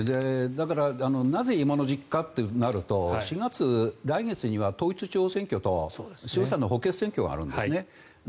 だからなぜ今の時期かとなると４月、来月には統一地方選挙と衆参の補欠選挙があるんですね。